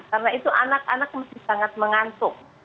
karena itu anak anak masih sangat mengantuk